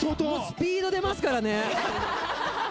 スピード出ますからね。